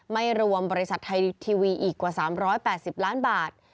ไม่รวมบริษัทไทยทีวีอีกกว่า๓๘๐ล้านบาท